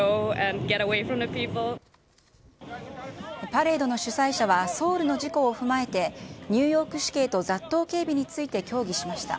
パレードの主催者はソウルの事故を踏まえて、ニューヨーク市警と雑踏警備について協議しました。